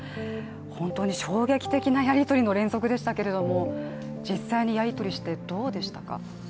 本当に衝撃的なやり取りの連続でしたけれども実際にやり取りして、どうでしたか？